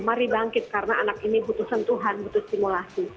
mari bangkit karena anak ini butuh sentuhan butuh stimulasi